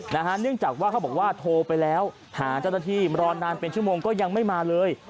เนื่องจากว่าเขาบอกว่าโทรไปแล้วหาเจ้าหน้าที่รอนานเป็นชั่วโมงก็ยังไม่มาเลย